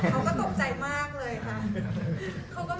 เขาก็ตกใจมากเลยค่ะ